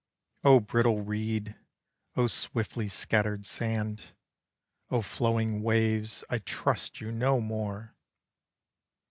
Oh brittle reed! oh swiftly scattered sand! Oh flowing waves, I trust you no more!